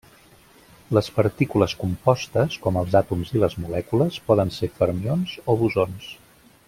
Les partícules compostes, com els àtoms i les molècules, poden ser fermions o bosons.